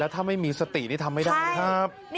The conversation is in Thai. แล้วถ้าไม่มีสตินี่ทำไม่ได้ครับใช่